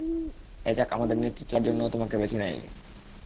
অ্যাজাক আমাদের নেতৃত্ব দেবার জন্যও তোমাকে বেছে নেয়নি।